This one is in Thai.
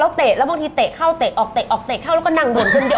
เตะแล้วบางทีเตะเข้าเตะออกเตะออกเตะเข้าแล้วก็นั่งโดนขึ้นเยอะ